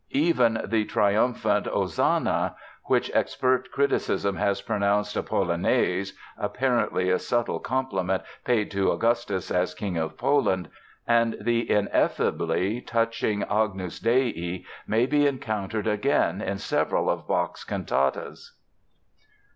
Even the triumphant Osanna, which expert criticism has pronounced a polonaise (apparently a subtle compliment paid to Augustus as King of Poland), and the ineffably touching Agnus Dei may be encountered again in several of Bach's cantatas.